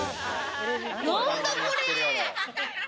何だこれ！